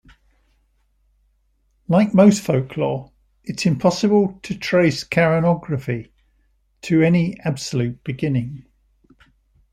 Like most folklore, it is impossible to trace keraunography to any absolute beginning.